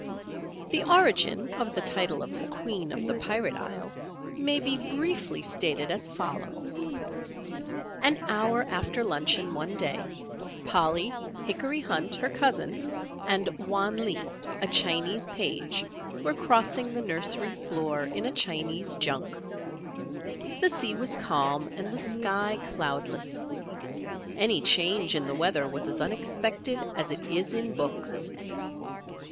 The origin of the title of the Queen of the Pirate Isle, may be briefly stated as follows: An hour after luncheon, one day, Polly, Hickory Hunt, her cousin, and Wan Lee, a Chinese page, were crossing the nursery floor in a Chinese junk. The sea was calm and the sky cloudless. Any change in the weather was as unexpected as it is in books.